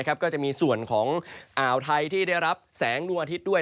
ก็จะมีส่วนของอ่าวไทยที่ได้รับแสงดวงอาทิตย์ด้วย